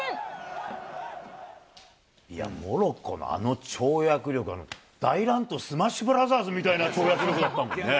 いや、モロッコのあの跳躍力、大乱闘スマッシュブラザーズみたいな跳躍力だったもんね。